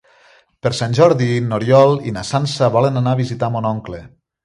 Per Sant Jordi n'Oriol i na Sança volen anar a visitar mon oncle.